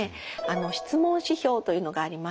質問指標というのがあります。